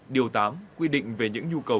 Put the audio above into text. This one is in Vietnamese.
điều tám quy định về những nhu cầu